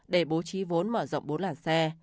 để bố trí vốn mở rộng bốn làn xe